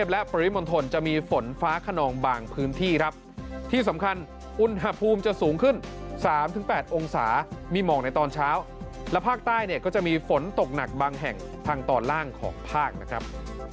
และภาคใต้ก็จะมีฝนตกหนักบางแห่งทางต่อล่างของภาคนะครับ